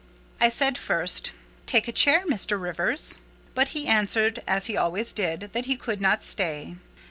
I said first, "Take a chair, Mr. Rivers." But he answered, as he always did, that he could not stay.